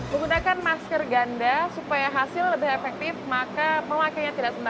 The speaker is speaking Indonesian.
menggunakan masker ganda supaya hasil lebih efektif maka pemakainya tidak sempurna